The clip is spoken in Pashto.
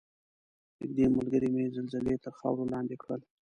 نږدې ملګرې مې زلزلې تر خاورو لاندې کړل.